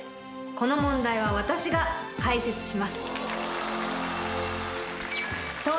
この問題は私が解説します。